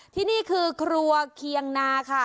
ที่นี่คือครัวเคียงนาค่ะ